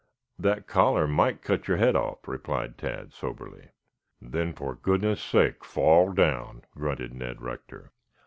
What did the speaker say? "That collar might cut your head off," replied Tad soberly. "Then for goodness' sake fall down," grunted Ned Rector.